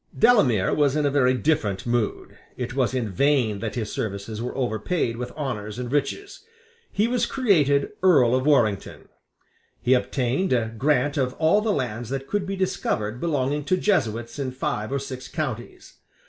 Delamere was in a very different mood. It was in vain that his services were overpaid with honours and riches. He was created Earl of Warrington. He obtained a grant of all the lands that could be discovered belonging to Jesuits in five or six counties.